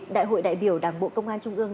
đại hội đại biểu đảng bộ công an trung ương